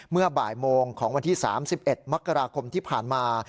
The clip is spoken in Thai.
เมื่อบ่ายโมงของวันที่๓๑มกราคมที่ผ่านมา